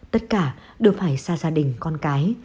tất cả đều phải xa gia đình con cái